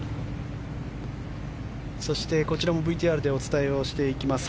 そしてこちらもＶＴＲでお伝えをしていきます。